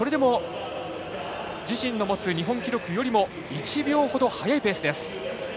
自身の持つ日本記録よりも１秒ほど速いペースです。